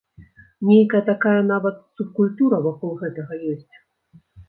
Нейкая такая нават субкультура вакол гэтага ёсць.